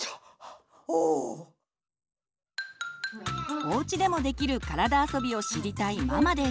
おうちでもできる体あそびを知りたいママです。